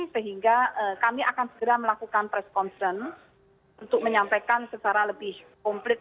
sehingga kami akan segera melakukan press concern untuk menyampaikan secara lebih komplit